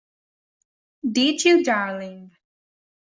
Did you, darling?